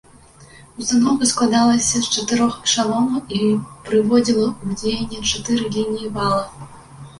Устаноўка складалася з чатырох эшалонаў і прыводзіла ў дзеянне чатыры лініі вала.